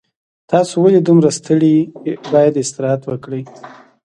تاسو ولې دومره ستړي یې باید استراحت وکړئ